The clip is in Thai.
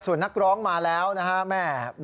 ส่วนนักร้องมาแล้วแหม